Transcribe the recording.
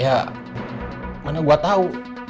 ya mana gue tau